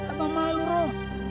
apa malu rum